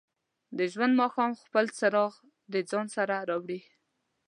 د ژوند ماښام خپل څراغ د ځان سره راوړي.